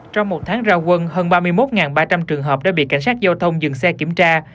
trong một tháng ra quân hơn ba mươi một ba trăm linh trường hợp đã bị cảnh sát giao thông dừng xe kiểm tra